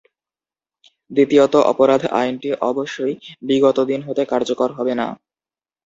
দ্বিতীয়ত, অপরাধ আইনটি অবশ্যই বিগতদিন হতে কার্যকর হবে না।